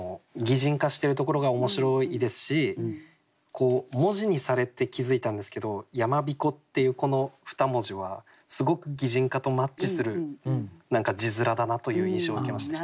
擬人化してるところが面白いですし文字にされて気付いたんですけど「山彦」っていうこの２文字はすごく擬人化とマッチする字面だなという印象を受けました。